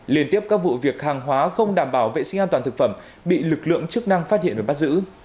liên tiếp các vụ việc hàng hóa không đảm bảo vệ sinh an toàn thực phẩm bị lực lượng chức năng phát hiện và bắt giữ